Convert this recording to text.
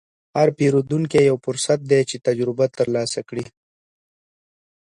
هر پیرودونکی یو فرصت دی چې تجربه ترلاسه کړې.